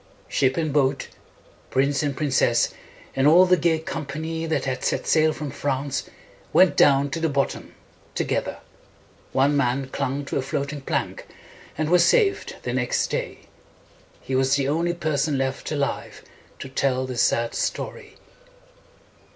Ship and boat, prince and prin cess, and all the gay com pa ny that had set sail from France, went down to the bottom together. One man clung to a floating plank, and was saved the next day. He was the only person left alive to tell the sad story.